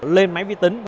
lên máy tính